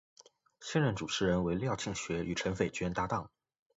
现任主持人为廖庆学与陈斐娟搭档。